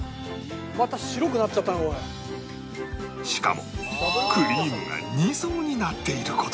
しかもクリームが二層になっている事